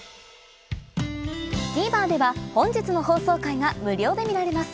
ＴＶｅｒでは本日の放送回が無料で見られます